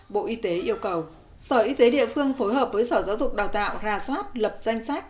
bộ y tế yêu cầu sở y tế địa phương phối hợp với sở giáo dục đào tạo ra soát lập danh sách